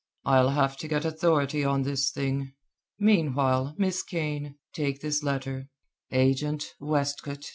I'll have to get authority on this thing. Meanwhile, Miss Kane, take this letter: Agent, Westcote, N.